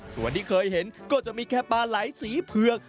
ส่วนที่เคยเห็นก็จะมีแค่ปลาไหลสีเผือก